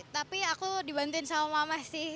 tapi aku dibantuin sama mama sih